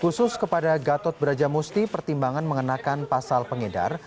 khusus kepada gatot beraja musti pertimbangan mengenakan pasal pengedar